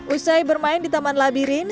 usai bermain di taman labirin